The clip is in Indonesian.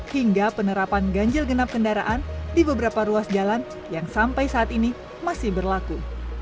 hingga penerapan ganjil genap kendaraan di beberapa ruas jalan yang sampai saat ini masih berlaku